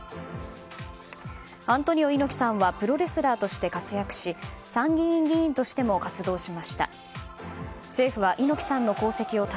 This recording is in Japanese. アントニオ猪木さんはプロレスラーとして活躍し参議院議員としても活動しました。